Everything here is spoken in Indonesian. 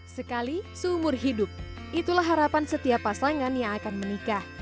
sekali seumur hidup itulah harapan setiap pasangan yang akan menikah